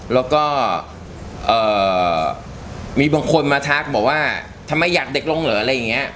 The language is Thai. แล้วก็มีบางคนมาทักบอกว่าทำไมอยากเด็กลงเหรออะไรอย่างนี้